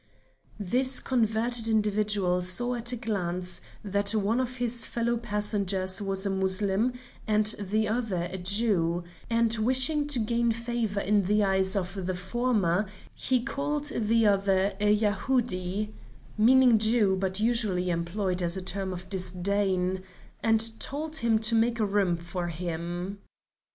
This converted individual saw at a glance that one of his fellow passengers was a Moslem and the other a Jew, and wishing to gain favor in the eyes of the former, he called the other a 'Yahoudi' (meaning Jew, but usually employed as a term of disdain) and told him to make room for him.